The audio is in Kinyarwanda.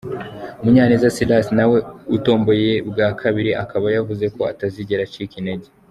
Munyaneza Silas na we utomboye bwa kabiri akaba yavuze ko atazigera acika intege.